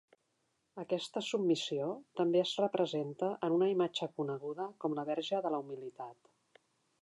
Aquesta submissió també es representa en una imatge coneguda com la Verge de la Humilitat.